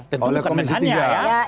tentu kan menhannya ya